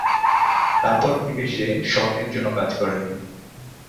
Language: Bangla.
তারপর থেকে সে শট-এর জন্য কাজ করে।